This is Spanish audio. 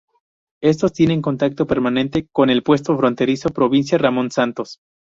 Estos tienen contacto permanente con el puesto fronterizo provincial Ramón Santos.